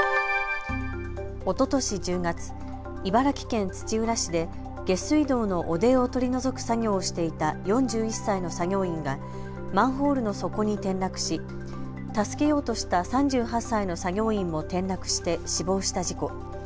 おととし１０月、茨城県土浦市で下水道の汚泥を取り除く作業をしていた４１歳の作業員がマンホールの底に転落し、助けようとした３８歳の作業員も転落して死亡した事故。